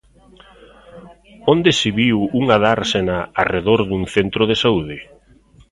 ¿Onde se viu unha dársena arredor dun centro de saúde?